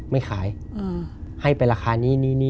ไม่ขายให้ไปราคานี้